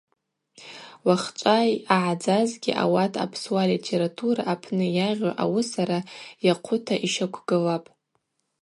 Уахьчӏва йъагӏадзазгьи ауат апсуа литература апны йагъьу ауысара йахъвыта йщаквгылапӏ.